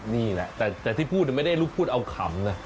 นี่แหละแต่ที่พูดไม่ได้ลุกพูดเอาขำนะ